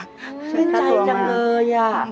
ชื่นใจจังเลย